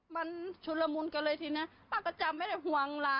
มันชุดละมุนกันเลยทีนี้ป้าก็จำไม่ได้ห่วงล่ะ